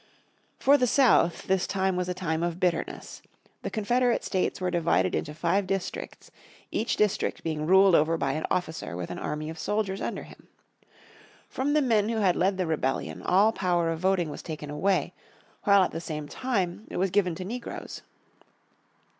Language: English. For the South, this time was a time of bitterness. The Confederate States were divided into five districts, each district being ruled over by an officer with an army of soldiers under him. From the men who had led the rebellion, all power of voting was taken away, while at the same time it was given to negroes.